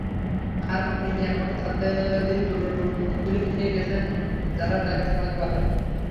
আর আপনি এখন তাদেরই তুলে নিয়ে গেছেন যারা তাকে থামাতে পারে।